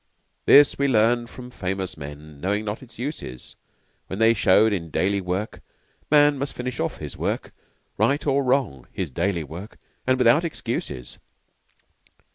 This we learned from famous men Knowing not its uses When they showed in daily work Man must finish off his work Right or wrong, his daily work And without excuses.